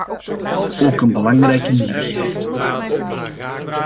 Ook een belangrijke nieuwigheid.